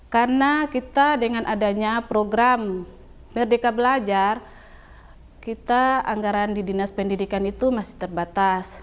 karena kita dengan adanya program merdeka belajar kita anggaran di dinas pendidikan itu masih terbatas